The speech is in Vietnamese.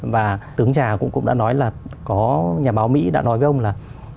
và tướng trà cũng đã nói là có nhà báo mỹ đã nói với ông là